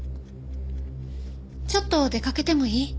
ちょっと出かけてもいい？